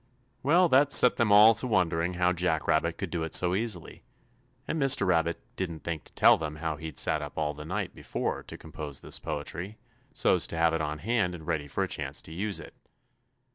"Well, that set them all to wondering how Jack Rabbit could do it so easily, and Mr. Rabbit didn't think to tell them how he'd sat up all the night before to compose this poetry, so's to have it on hand and ready for a chance to use it.